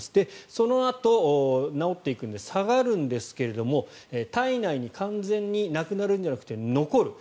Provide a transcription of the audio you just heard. そのあと、治っていくんで下がるんですけども体内に、完全になくなるんじゃなくて、残る。